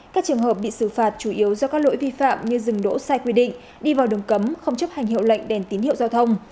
các trường hợp bị xử phạt chủ yếu do các lỗi vi phạm như dừng đỗ sai quy định đi vào đường cấm không chấp hành hiệu lệnh đèn tín hiệu giao thông